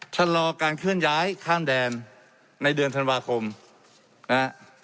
ชะลอการเคลื่อนย้ายข้ามแดนในเดือนธันวาคมนะฮะ